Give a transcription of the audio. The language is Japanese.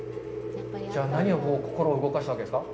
じゃあ、何が心を動かしたんですか。